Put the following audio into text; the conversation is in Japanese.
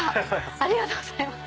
ありがとうございます。